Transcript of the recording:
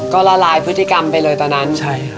ก็ละลายพฤติกรรมไปเลยตอนนั้น